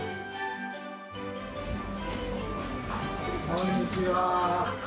こんにちは。